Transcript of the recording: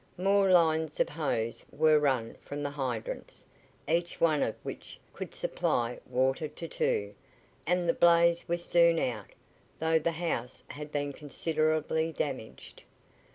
More lines of hose were run from the hydrants, each one of which could supply water to two, and the blaze was soon out, though the house had been considerably damaged.